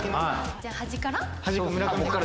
じゃあ端から。